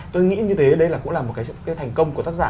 tôi nghĩ như thế đấy cũng là một cái thành công của tác giả